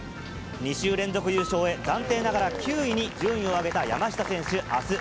２週連続優勝へ、暫定ながら９位に順位を上げた山下選手。